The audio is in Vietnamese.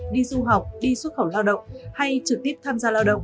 đi du học đi xuất khẩu lao động hay trực tiếp tham gia lao động